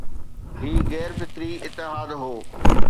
هي غير فطري اتحاد هو